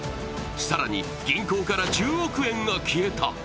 更に銀行から１０億円が消えた。